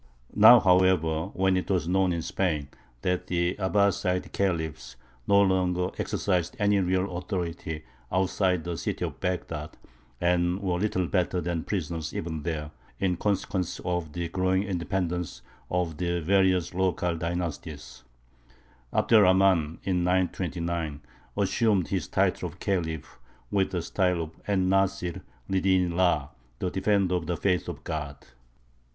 Now, however, when it was known in Spain that the Abbāside Khalifs no longer exercised any real authority outside the city of Baghdad, and were little better than prisoners even there, in consequence of the growing independence of the various local dynasties, Abd er Rahmān, in 929, assumed his title of Khalif with the style of En Nāsir li dīni llāh, "The Defender of the Faith of God."